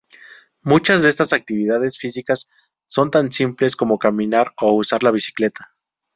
Muchas de esas actividades físicas son tan simples como caminar o usar la bicicleta.